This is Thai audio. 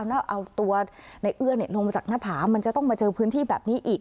แล้วเอาตัวในเอื้อลงมาจากหน้าผามันจะต้องมาเจอพื้นที่แบบนี้อีก